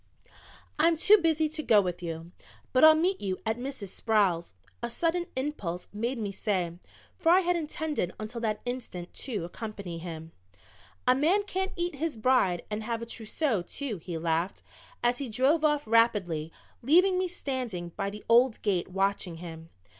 "I'm too busy to go with you, but I'll meet you at Mrs. Sproul's," a sudden impulse made me say, for I had intended until that instant to accompany him. "A man can't eat his bride and have a trousseau, too," he laughed, as he drove off rapidly, leaving me standing by the old gate watching him.